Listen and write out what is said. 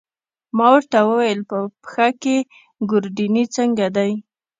ما ورته وویل: په پښه کې، ګوردیني څنګه دی؟